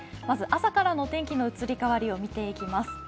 まず朝からの天気の移り変わりを見ていきます。